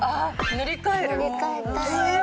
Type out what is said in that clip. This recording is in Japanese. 塗り替えたい。